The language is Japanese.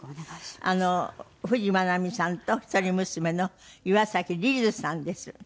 あの冨士眞奈美さんと一人娘の岩崎リズさんです。